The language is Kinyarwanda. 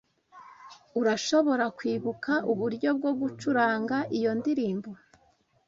Urashobora kwibuka uburyo bwo gucuranga iyo ndirimbo?